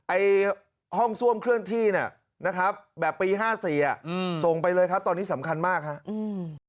ไอ้ห้องซ่วมเคลื่อนที่เนี่ยนะครับแบบปีห้าสี่อ่ะอืมส่งไปเลยครับตอนนี้สำคัญมากครับ